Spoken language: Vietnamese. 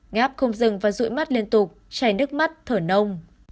ngáp không dừng và rụi mắt liên tục chảy nước mắt thở nông